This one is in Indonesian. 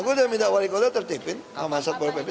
aku udah minta wali kota tertipin sama masat boropet